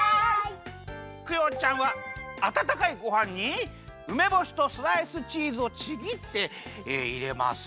クヨちゃんはあたたかいごはんにうめぼしとスライスチーズをちぎっていれます。